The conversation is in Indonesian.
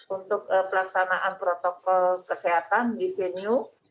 untuk pelaksanaan protokol kesehatan di venue